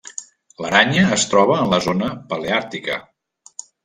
L'aranya es troba en la zona paleàrtica.